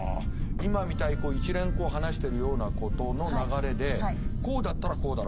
今みたいに一連こう話してるようなことの流れで「こうだったらこうだろ」